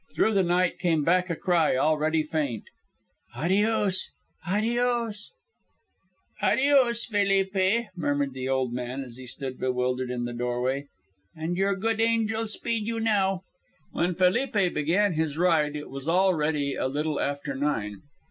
Through the night came back a cry already faint: "Adios, adios." "Adios, Felipe," murmured the old man as he stood bewildered in the doorway, "and your good angel speed you now." When Felipe began his ride it was already a little after nine.